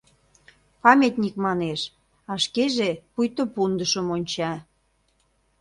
Памятник манеш, а шкеже пуйто пундышым онча.